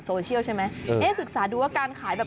นี่คือเทคนิคการขาย